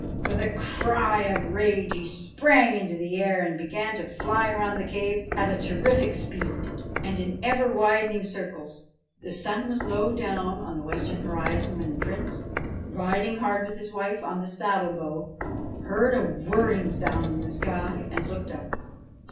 With a cry of rage he sprang into the air, and began to fly round the cave at terrific speed, and in ever widening circles. The sun was low down on the Western horizon when the Prince, riding hard with his wife on the saddle bow, heard a whirring sound in the sky and looked up.